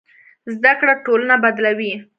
زده کړه ټولنه بدلوي.